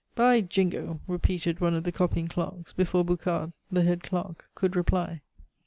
"By Jingo!" repeated one of the copying clerks before Boucard, the head clerk, could reply.